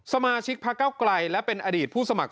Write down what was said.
สมาชิกพักเก้าไกลและเป็นอดีตผู้สมัคร